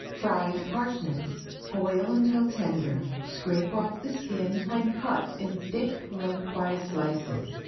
FRIED PARSNIPS. ✠ Boil until tender, scrape off the skin, and cut in thick lengthwise slices.